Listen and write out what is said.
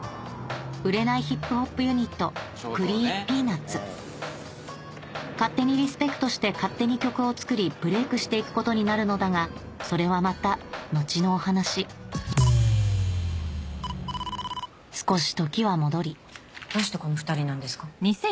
売れないヒップホップユニットクリー・ピーナッツ勝手にリスペクトして勝手に曲を作りブレイクしていくことになるのだがそれはまた後のお話少し時は戻りどうしてこの２人なんですか？